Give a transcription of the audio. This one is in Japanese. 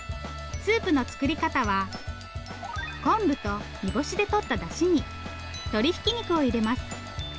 スープの作り方は昆布と煮干しでとっただしに鶏ひき肉を入れます。